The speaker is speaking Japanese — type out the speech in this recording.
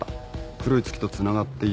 黒い月とつながっている証拠も。